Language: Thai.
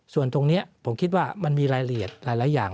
ส่วนตรงนี้ผมคิดว่ามันมีรายละเอียดหลายอย่าง